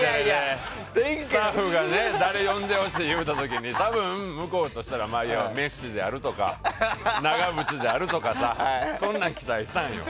スタッフが誰呼んでほしいって言った時に多分、向こうとしたらメッシーであるとか長渕であるとかそんなの期待したのよ。